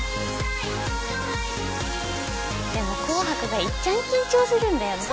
でも「紅白」がいっちゃん緊張するんだよね。